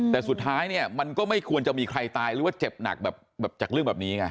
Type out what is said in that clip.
แต่สุดท้ายเนี่ยมันก็ไม่ควรจะมีใครตายหรือว่าเจ็บหนักแบบจากเรื่องแบบนี้ไง